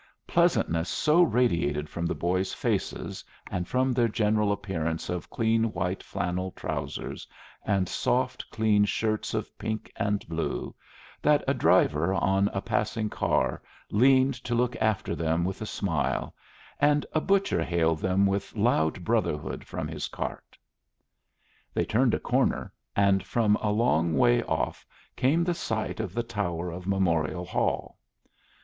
Pleasantness so radiated from the boys' faces and from their general appearance of clean white flannel trousers and soft clean shirts of pink and blue that a driver on a passing car leaned to look after them with a smile and a butcher hailed them with loud brotherhood from his cart. They turned a corner, and from a long way off came the sight of the tower of Memorial Hall.